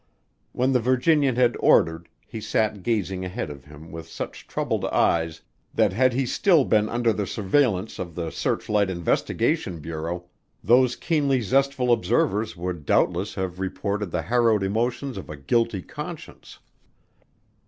When the Virginian had ordered he sat gazing ahead of him with such troubled eyes that had he still been under the surveillance of the Searchlight Investigation Bureau, those keenly zestful observers would doubtless have reported the harrowed emotions of a guilty conscience.